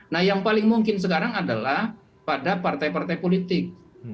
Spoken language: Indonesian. nah yang paling mungkin sekarang adalah pada partai partai politik